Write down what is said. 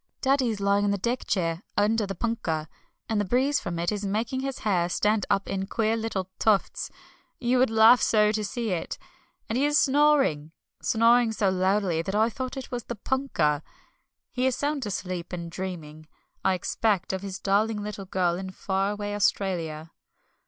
Daddy is lying in the deck chair under the punkah, and the breeze from it is making his hair stand up in queer little tufts you would laugh so to see it and he is snoring! Snoring so loudly that I thought it was the punkah. He is sound asleep, and dreaming, I expect, of his darling little girl in far away Australia.